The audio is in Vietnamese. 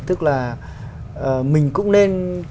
tức là mình cũng nên